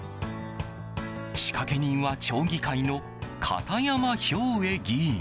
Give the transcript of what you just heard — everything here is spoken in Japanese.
仕掛け人は町議会の片山兵衛議員。